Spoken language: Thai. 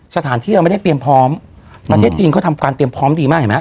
สถานที่เราไม่ได้เตรียมพร้อมประเทศจีนเขาทำการเตรียมพร้อมดีมากเห็นไหม